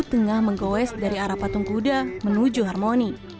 tengah menggoes dari arah patung kuda menuju harmoni